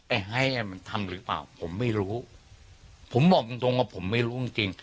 ไฮอ่ะมันทำหรือเปล่าผมไม่รู้ผมบอกตรงตรงว่าผมไม่รู้จริงจริง